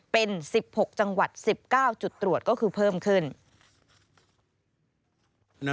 เป็น๑๖จังหวัด๑๙จุดตรวจก็คือเพิ่มขึ้น